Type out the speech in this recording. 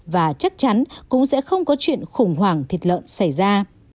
và chắc chắn cũng sẽ không có chuyện khủng hoảng thịt lợn xảy ra